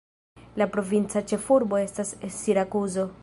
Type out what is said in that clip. La provinca ĉefurbo estas Sirakuzo.